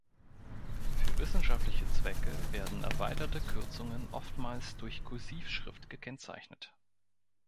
Für wissenschaftliche Zwecke werden erweiterte Kürzungen oftmals durch Kursivschrift gekennzeichnet.